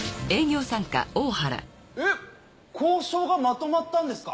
えっ交渉がまとまったんですか？